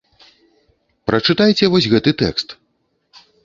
Прачытайце вось гэты тэкст.